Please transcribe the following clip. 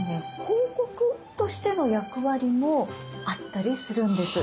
広告としての役割もあったりするんです。